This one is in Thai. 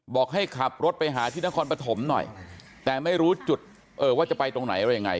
บอกให้ขับรถไปหาที่นครปฐมหน่อยแต่ไม่รู้จุดว่าจะไปตรงไหนอะไรยังไง